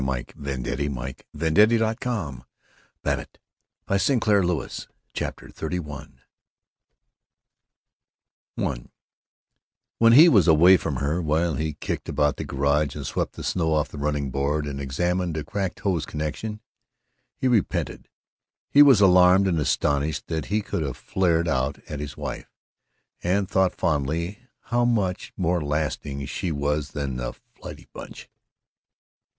While she looked at him pleadingly he drove on in a dreadful silence. CHAPTER XXXI I When he was away from her, while he kicked about the garage and swept the snow off the running board and examined a cracked hose connection, he repented, he was alarmed and astonished that he could have flared out at his wife, and thought fondly how much more lasting she was than the flighty Bunch.